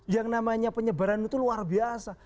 yang namanya penyebaran itu luar biasa